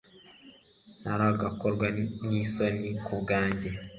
ntaragakorwa nisoni kubwange